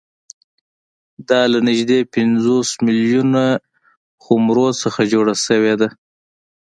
دا له نږدې پنځوس میلیونه خُمرو څخه جوړه شوې ده